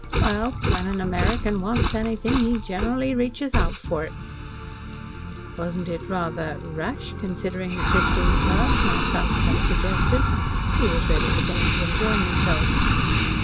"Well, when an American wants anything he generally reaches out for it." "Wasn't it rather rash, considering the fifteen per?" Mount Dunstan suggested. He was really beginning to enjoy himself.